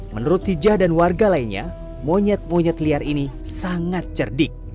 menurut hijah dan warga lainnya monyet monyet liar ini sangat cerdik